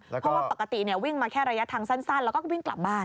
เพราะว่าปกติวิ่งมาแค่ระยะทางสั้นแล้วก็วิ่งกลับบ้าน